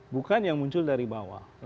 bukan yang muncul dari bawah